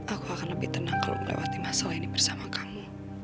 aku akan lebih tenang kalau melewati masalah ini bersama kamu